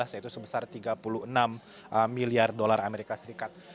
yaitu sebesar tiga puluh enam miliar dolar amerika serikat